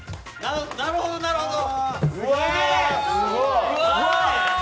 なるほどなるほど！